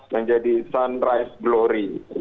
menjadi sunrise glory